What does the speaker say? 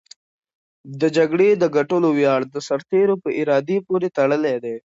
د جګړې د ګټلو ویاړ د سرتېرو په اراده پورې تړلی دی.